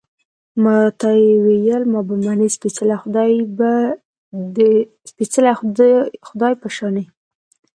ما ته يې ویل، ما به منې، سپېڅلي خدای په شانې